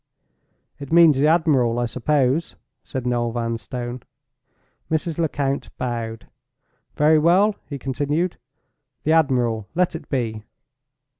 "It means the admiral, I suppose?" said Noel Vanstone. Mrs. Lecount bowed. "Very well," he continued. "The admiral let it be."